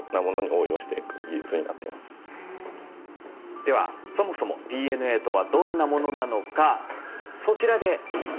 ではそもそもＤＮＡとはどんなものなのかそちらで見ていきましょう。